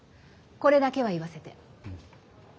これだけは言わせて。